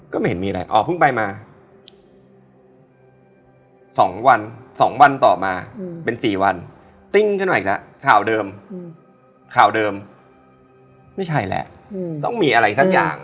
คือเราแอร์ไม่เคยคิดมาก่อนว่า